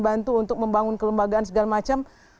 bantu untuk membangun kelembagaan segala macam